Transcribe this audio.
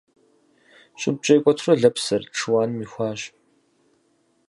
Щӏыбкӏэ икӏуэтурэ лэпс зэрыт шыуаным ихуащ.